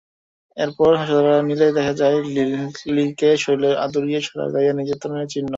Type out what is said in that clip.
এরপর হাসপাতালে নিলে দেখা যায়, লিকলিকে শরীরের আদুরির সারা গায়ে নির্যাতনের চিহ্ন।